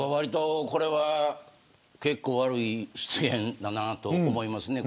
結構悪い失言だなと思いますね。